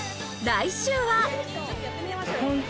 来週は。